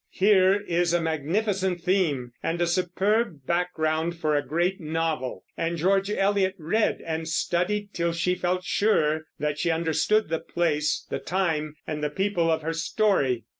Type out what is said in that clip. Here is a magnificent theme and a superb background for a great novel, and George Eliot read and studied till she felt sure that she understood the place, the time, and the people of her story.